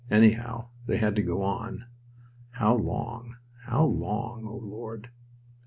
Anyhow, they had to go on. How long, how long, O Lord?